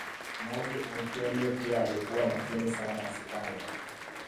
maji Antonio pia alikuwa makini sana asifanye